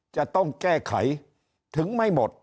จะต้องแก้ไขถึงไม่หมด